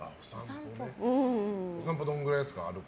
お散歩どのぐらいですか？